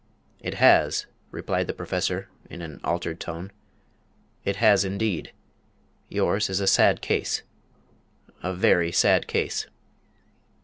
"It has," replied the Professor, in an altered tone; "it has indeed. Yours is a sad case a very sad case."